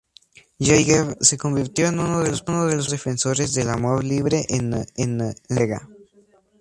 Jaeger se convirtió en uno de los primeros defensores del amor libre en Noruega.